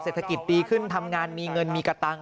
เศรษฐกิจดีขึ้นทำงานมีเงินมีกระตังค์